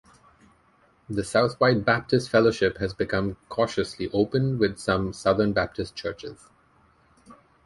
The Southwide Baptist Fellowship has become cautiously open with some Southern Baptist churches.